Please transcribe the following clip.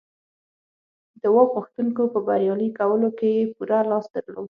د واک غوښتونکو په بریالي کولو کې یې پوره لاس درلود